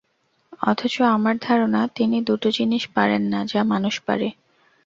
অথচ আমার ধারণা তিনি দুটো জিনিস পারেন না, যা মানুষ পারে।